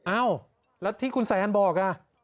อ้าวแล้วที่คุณแซนบอก